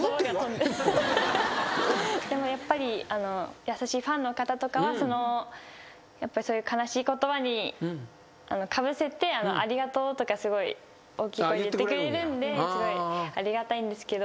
でも優しいファンの方とかはそういう悲しい言葉にかぶせて「ありがとう」とか大きい声で言ってくれるんでありがたいんですけど。